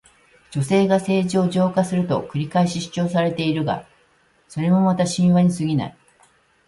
女性が政治を浄化すると繰り返し主張されているが、それもまた神話にすぎない。